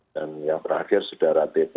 dan yang terakhir sudara tp